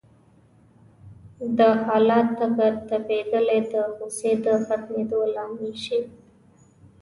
د حالت دغه تبديلي د غوسې د ختمېدو لامل شي.